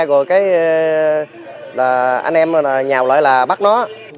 rồi cái là anh em nhào lại là bắt nó